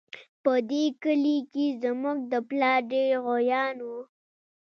په دې کلي کې زموږ د پلار ډېر غويان وو